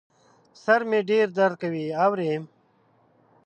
سر مي ډېر درد کوي ، اورې ؟